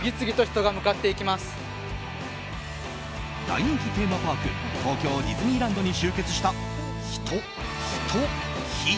大人気テーマパーク東京ディズニーランドに集結した、人、人、人！